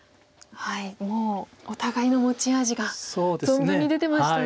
もうお互いの持ち味が存分に出てましたね。